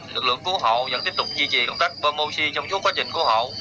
lực lượng cứu hộ vẫn tiếp tục duy trì công tác pomoci trong suốt quá trình cứu hộ